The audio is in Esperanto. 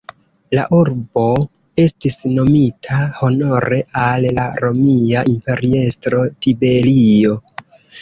La urbo estis nomita honore al la romia imperiestro Tiberio.